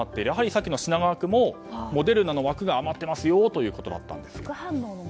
やはりさっきの品川区もモデルナの枠が余ってますよということだったんです。